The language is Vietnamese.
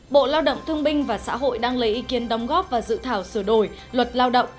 bộ lao động thương binh và xã hội đang lấy ý kiến đóng góp vào dự thảo sửa đổi luật lao động